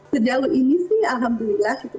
sejauh ini sih alhamdulillah